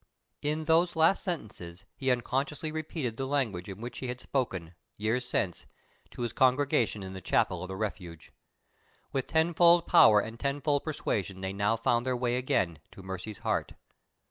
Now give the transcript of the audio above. '" In those last sentences he unconsciously repeated the language in which he had spoken, years since, to his congregation in the chapel of the Refuge. With tenfold power and tenfold persuasion they now found their way again to Mercy's heart.